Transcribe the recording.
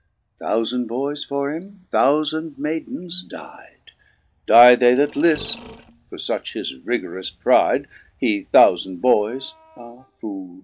Thoufand boyes for him, thoufand maidens dy'de ; Dye they that lift, for fuch his rigorous pride, H6 thoufand boyes (ah, Foole